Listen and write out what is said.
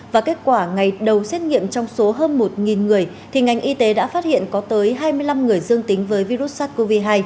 và kết quả ngày đầu xét nghiệm trong số hơn một người thì ngành y tế đã phát hiện có tới hai mươi năm người dương tính với virus sars cov hai